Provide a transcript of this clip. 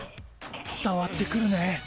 伝わってくるね。